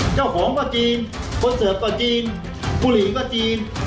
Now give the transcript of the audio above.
เจ้าของก็จีนคอนเสิร์ตก็จีนบุหรี่ก็จีน